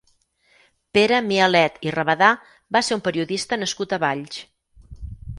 Pere Mialet i Rabadà va ser un periodista nascut a Valls.